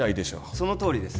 そのとおりです